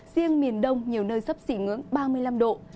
riêng miền đông nhiều nơi sấp xỉ ngưỡng ba mươi năm độ